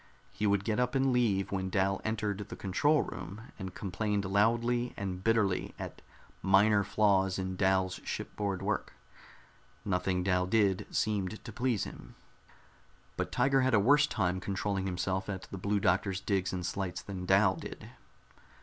He would get up and leave when Dal entered the control room, and complained loudly and bitterly at minor flaws in Dal's shipboard work. Nothing Dal did seemed to please him. But Tiger had a worse time controlling himself at the Blue Doctor's digs and slights than Dal did.